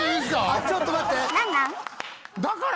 「あっちょっと待って！」